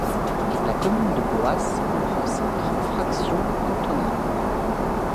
La commune de Blois comprend cinq fractions cantonales.